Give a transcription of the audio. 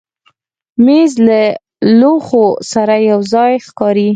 مېز له لوښو سره یو ځای ښکاري.